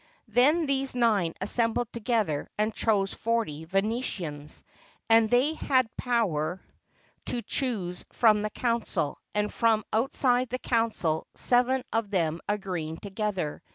Then these nine assembled together and chose forty Venetians; and they had power to choose from the council, and from outside the council, seven of them agreeing together.